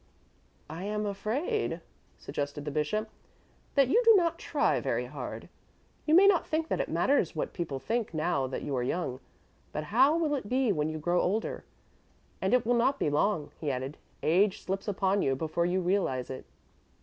"I am afraid," suggested the bishop, "that you do not try very hard. You may not think that it matters what people think now that you are young, but how will it be when you grow older? And it will not be long," he added. "Age slips upon you before you realize it."